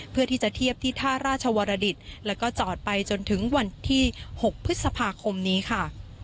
เพื่อที่จะเทียบที่ท่าราชวรดิตแล้วก็จอดไปจนถึงวันที่๖พฤษภาคมนี้ค่ะ